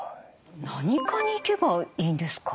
何科に行けばいいんですか？